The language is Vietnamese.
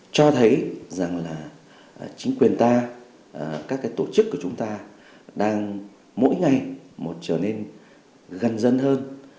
cho thấy rằng là chính quyền ta các tổ chức của chúng ta đang mỗi ngày một trở nên gần dân hơn